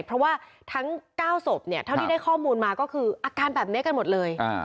เพราะว่าทั้ง๙ศพเนี่ยเท่าที่ได้ข้อมูลมาก็คืออาการแบบนี้กันหมดเลย